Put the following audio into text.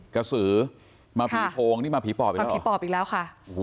กระสือมาผีโพงนี่มาผีปอบอีกแล้วมาผีปอบอีกแล้วค่ะ